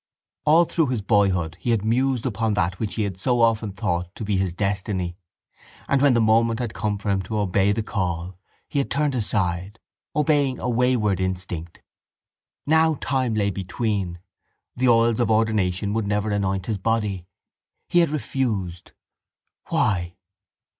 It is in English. All through his boyhood he had mused upon that which he had so often thought to be his destiny and when the moment had come for him to obey the call he had turned aside, obeying a wayward instinct. Now time lay between: the oils of ordination would never anoint his body. He had refused. Why?